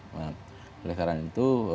nah oleh karena itu